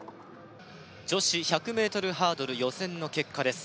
女子１００ｍハードル予選の結果です